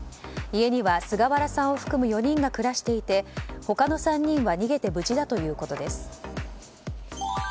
家には、菅原さんを含む４人が暮らしていて他の３人は逃げて無事だということです。